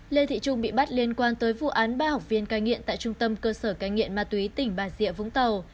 lê thị trung bị bắt liên quan tới vụ án ba học viên cai nghiện tại trung tâm cơ sở cai nghiện ma túy tỉnh bà rịa vũng tàu